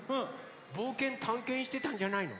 ぼうけんたんけんしてたんじゃないの？